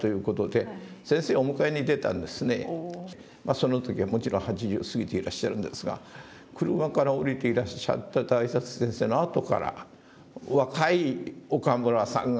その時はもちろん８０を過ぎていらっしゃるんですが車から降りていらっしゃった大拙先生のあとから若い岡村さんが見えたんです。